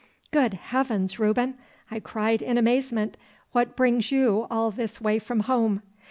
'Good Heavens, Reuben!' I cried in amazement, 'what brings you all this way from home?